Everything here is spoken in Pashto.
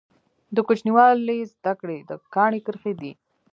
د کوچنیوالي زده کړي د کاڼي کرښي دي.